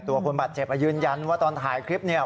คนบาดเจ็บยืนยันว่าตอนถ่ายคลิปเนี่ย